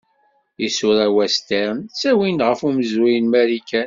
Isura western ttawin-d ɣef umezruy n Marikan.